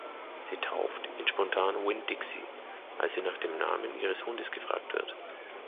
Sie "tauft" ihn spontan Winn-Dixie, als sie nach dem Namen "ihres" Hundes gefragt wird.